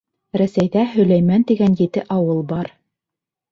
Рәсәйҙә Һөләймән тигән ете ауыл бар.